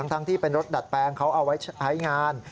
ทั้งที่เป็นรถดัดแปลงเขาเอาไว้ใช้งาน